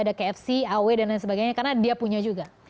ada kfc aw dan lain sebagainya karena dia punya juga